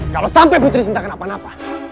kalau sampai putri sinta kenapa napa